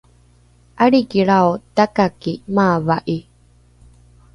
’alikilrao takaki maava’i